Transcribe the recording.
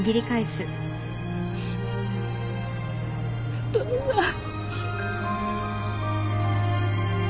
お父さん。